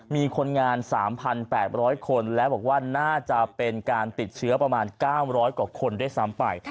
มีคนงาน๓๘๐๐คนและบอกว่าน่าจะเป็นการติดเชื้อประมาณ๙๐๐กว่าคนด้วยซ้ำไป